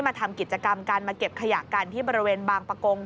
มาทำกิจกรรมการมาเก็บขยะกันที่บริเวณบางประกง